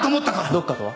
どこかとは？